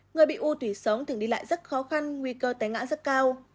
người bị u tùy sống thường đi lại rất khó khăn nguy cơ tái ngã rất cao